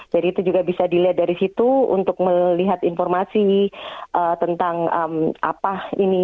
jadi itu juga bisa dilihat dari situ untuk melihat informasi tentang apa ini